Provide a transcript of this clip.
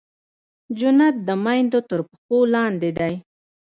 جنت د مېندو تر پښو لاندې دی.